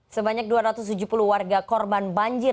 sebanyak dua ratus tujuh puluh warga korban banjir